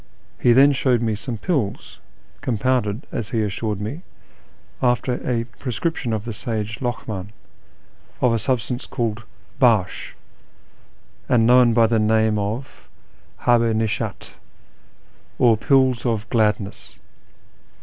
He then showed nie some pills, compounded, as he assured me, after a ju'escription of the sage Lokm; in, of a substance called harsh, and known by the name of habh i nishdt, or " pills of gladness."